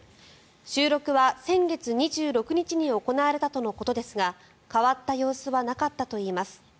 収録は先月２６日に行われたとのことですが変わった様子はなかったといいます。